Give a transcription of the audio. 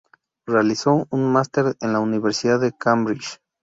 Realizó un Máster en la Universidad de Cambridge.